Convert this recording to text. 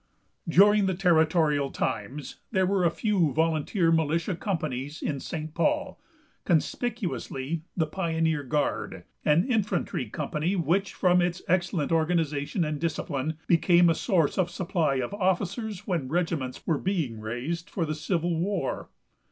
During the territorial times there were a few volunteer militia companies in St. Paul, conspicuously the "Pioneer Guard," an infantry company, which, from its excellent organization and discipline, became a source of supply of officers when regiments were being raised for the Civil War.